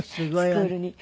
スクールに。